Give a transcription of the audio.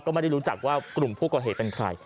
ก็ไม่ได้รู้จักว่ากลุ่มผู้ก่อเหตุเป็นใคร